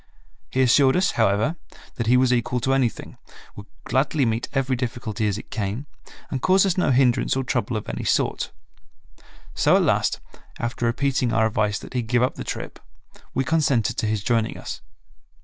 He assured us, however, that he was equal to anything, would gladly meet every difficulty as it came, and cause us no hindrance or trouble of any sort. So at last, after repeating our advice that he give up the trip, we consented to his joining us.